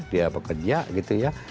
dia bekerja gitu ya